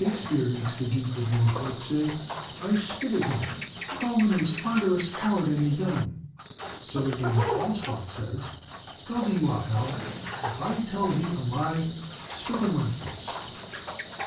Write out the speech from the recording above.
Shakspeare makes the Duke of Norfolk say, "I spit at him—call him a slanderous coward and a villain." So, again, Falstaff says, "Tell thee what, Hal,—if I tell thee a lie, spit in my face."